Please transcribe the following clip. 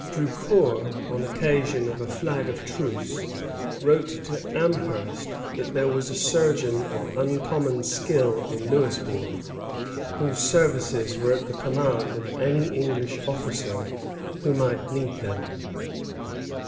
Drucour, on occasion of a flag of truce, wrote to Amherst that there was a surgeon of uncommon skill in Louisbourg, whose services were at the command of any English officer who might need them.